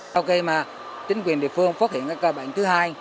sau khi mà chính quyền địa phương phát hiện ca bệnh thứ hai